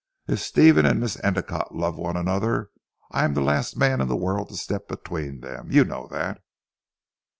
If Stephen and Miss Endicotte love one another I am the last man in the world to step between them. You know that."